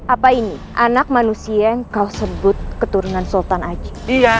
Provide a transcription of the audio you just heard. apa ini anak manusia kau sebut keturunan sultan ajih iya apa bapak ajih